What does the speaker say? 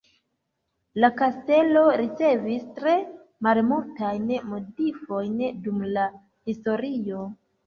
La kastelo ricevis tre malmultajn modifojn dum la historio.